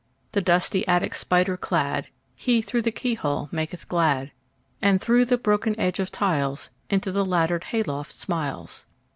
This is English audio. The dusty attic spider cladHe, through the keyhole, maketh glad; And through the broken edge of tiles, Into the laddered hay loft smiles.